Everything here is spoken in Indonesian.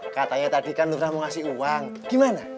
katanya tadi kan lu pernah mau kasih uang gimana